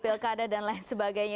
pilkada dan lain sebagainya